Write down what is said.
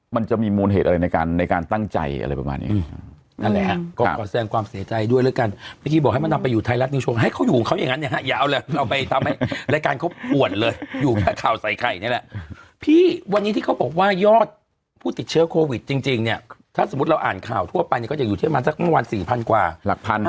มันจะมีมูลเหตุอะไรในการตั้งใจอะไรประมาน